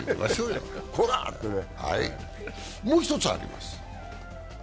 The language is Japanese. もう一つあります。